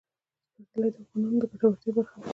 پسرلی د افغانانو د ګټورتیا برخه ده.